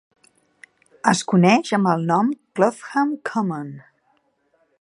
Es coneix amb el nom Clothall Common.